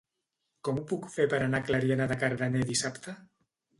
Com ho puc fer per anar a Clariana de Cardener dissabte?